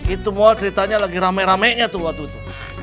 itu mall ceritanya lagi rame ramenya tuh waktu itu